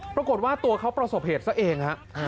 ปรากฏว่าตัวเขาประสบเหตุซะเองฮะ